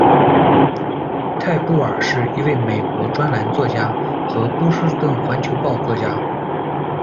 泰·布尔，是一位美国、专栏作家和《波士顿环球报》作家。